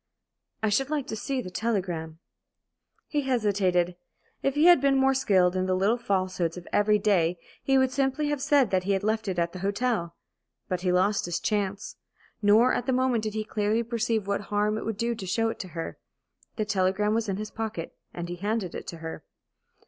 "I should like to see that telegram." He hesitated. If he had been more skilled in the little falsehoods of every day he would simply have said that he had left it at the hotel. But he lost his chance. Nor at the moment did he clearly perceive what harm it would do to show it to her. The telegram was in his pocket, and he handed it to her.